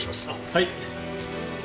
はい。